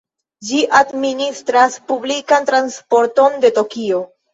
Ĝi administras publikan transporton de Tokio.